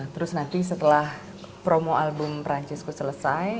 terus nanti setelah promo album perancisku selesai